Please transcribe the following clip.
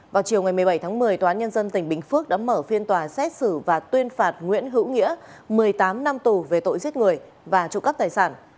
vào chiều ngày một mươi bảy tháng một mươi tòa án nhân dân tỉnh bình phước đã mở phiên tòa xét xử và tuyên phạt nguyễn hữu nghĩa một mươi tám năm tù về tội giết người và trụ cắp tài sản